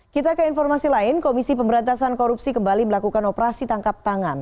kita ke informasi lain komisi pemberantasan korupsi kembali melakukan operasi tangkap tangan